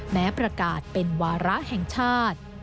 แม้ประกาศเป็นวาระแห่งชาติ